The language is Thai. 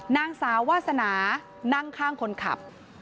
นางสาววาสนานั่งข้างคนขับ